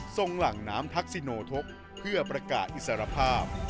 หลังน้ำทักษิโนทกเพื่อประกาศอิสรภาพ